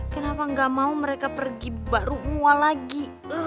kenapa nggak mau mereka pergi baru mual lagi